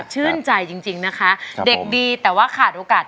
ชื่นใจจริงนะคะเด็กดีแต่ว่าขาดโอกาส